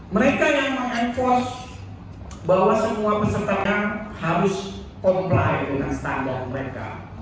mereka yang meng enforce bahwa semua peserta yang harus comply dengan standar mereka